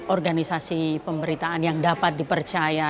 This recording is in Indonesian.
organisasi pemberitaan yang dapat dipercaya